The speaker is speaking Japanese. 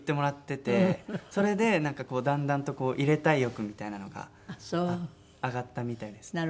それでなんかだんだんと入れたい欲みたいのが上がったみたいですね。